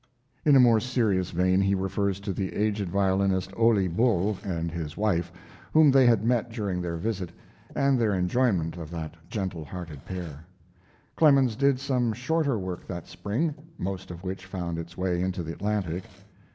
In a more serious vein he refers to the aged violinist Ole Bull and his wife, whom they had met during their visit, and their enjoyment of that gentle hearted pair. Clemens did some shorter work that spring, most of which found its way into the Atlantic.